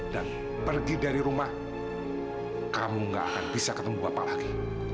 dan pergi dari rumah kamu nggak akan bisa ketemu bapak lagi